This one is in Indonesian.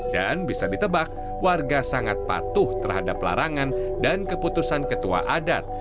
dan bisa ditebak warga sangat patuh terhadap larangan dan keputusan ketua adat